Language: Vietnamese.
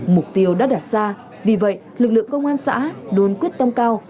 mục tiêu đã đạt ra vì vậy lực lượng công an xã át đồn quyết tâm cao